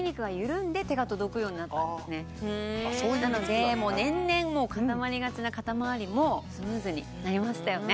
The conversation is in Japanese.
なので年々固まりがちな肩回りもスムーズになりましたよね。